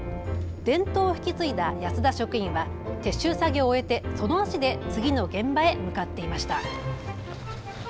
伝統を引き継いだ安田職員は撤収作業を終えて、その足で次の現場へ向かっていました。